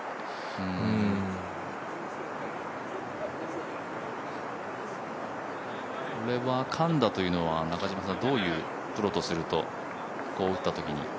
これはかんだというのはどういう、プロとすると打ったときに。